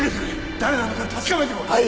誰なのか確かめてこい！